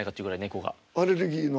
アレルギーの？